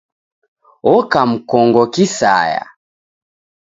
Oka mkongo kisaya